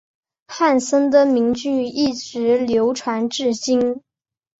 汉森的名句一直流传至今。